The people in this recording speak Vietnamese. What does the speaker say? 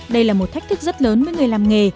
đây là một thách thức rất lớn với người làm nghề